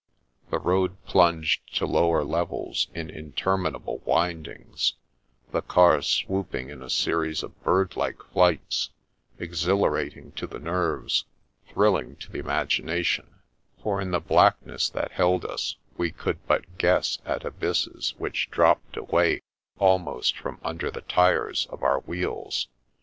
The road plunged to lower levels in interminable windings, the car swooping in a series of bird like flights, exhilarating to the nerves, thrilling to the imagination; for in the blackness that held us we could but guess at abysses which dropped away almost from under the tyres of our wheels.